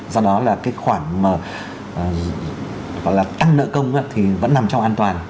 do đó là cái khoản tăng nợ công thì vẫn nằm trong an toàn